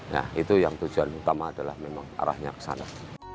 nah itu yang tujuan utama adalah memang arahnya ke sana